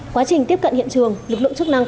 quá trình tiếp cận hiện trường lực lượng chức năng